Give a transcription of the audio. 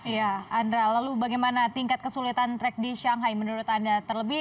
ya andra lalu bagaimana tingkat kesulitan track di shanghai menurut anda terlebih